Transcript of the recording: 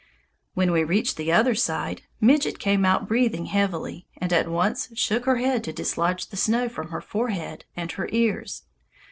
When we reached the other side, Midget came out breathing heavily, and at once shook her head to dislodge the snow from her forehead and her ears.